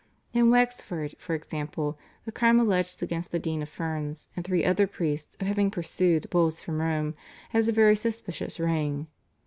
In Wexford, for example, the crime alleged against the Dean of Ferns and three other priests of having "pursued" Bulls from Rome has a very suspicious ring.